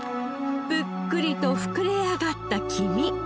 ぷっくりと膨れ上がった黄身！